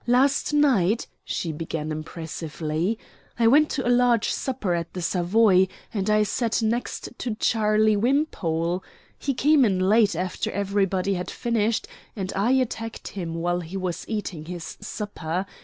Last night," she began impressively, "I went to a large supper at the Savoy, and I sat next to Charley Wimpole. He came in late, after everybody had finished, and I attacked him while he was eating his supper.